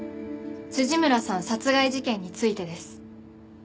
村さん殺害事件についてです。